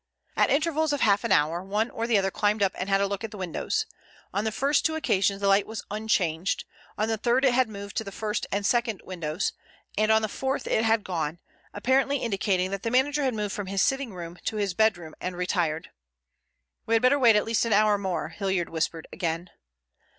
At intervals of half an hour one or other climbed up and had a look at the windows. On the first two occasions the light was unchanged, on the third it had moved to the first and second windows, and on the fourth it had gone, apparently indicating that the manager had moved from his sitting room to his bedroom and retired. "We had better wait at least an hour more," Hilliard whispered again.